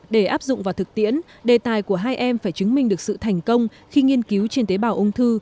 để áp dụng vào thực tiễn đề tài của hai em phải chứng minh được sự thành công khi nghiên cứu trên tế bào ung thư